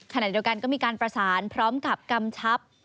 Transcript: ขณะเดียวกันก็มีการประสานพร้อมกับกำชับ